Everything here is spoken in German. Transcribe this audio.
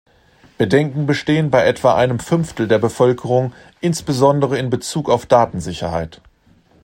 Bedenken bestehen bei etwa einem Fünftel der Bevölkerung insbesondere in Bezug auf Datensicherheit.